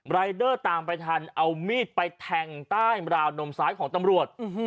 รายเดอร์ตามไปทันเอามีดไปแทงใต้ราวนมซ้ายของตำรวจ